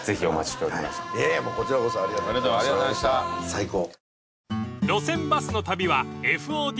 最高。